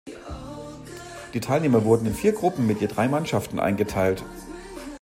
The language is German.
Die Teilnehmer wurden in vier Gruppen mit je drei Mannschaften eingeteilt.